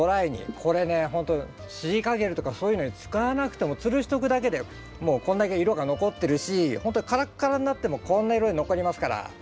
これねほんとシリカゲルとかそういうの使わなくてもつるしておくだけでもうこんだけ色が残ってるしほんとにカラッカラッになってもこんな色残りますから。